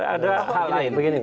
ada hal lain